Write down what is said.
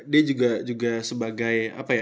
dia juga sebagai apa ya